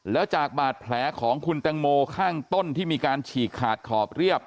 แล้วจากบาดแผลของคุณตังโมข้างต้นที่มีการฉีกขาดขอบเรียบ